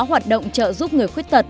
hoạt động trợ giúp người khuyết thật